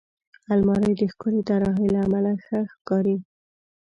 الماري د ښکلې طراحۍ له امله ښه ښکاري